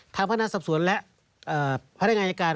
ทางพนันสับสนและพลังงานยการ